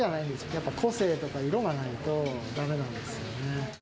やっぱ個性とか色がないとだめなんですよね。